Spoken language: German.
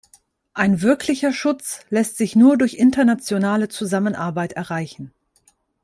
Ein wirklicher Schutz lässt sich nur durch internationale Zusammenarbeit erreichen.